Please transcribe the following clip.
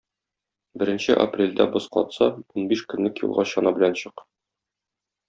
Беренче апрельдә боз катса, унбиш көнлек юлга чана белән чык.